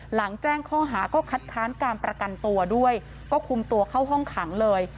หลังแจ้งข้อหาก็คัดค้านการประกันตัวด้วยก็คุมตัวเข้าห้องขังเลย